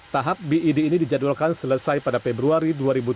tahap bid ini dijadwalkan selesai pada februari dua ribu tujuh belas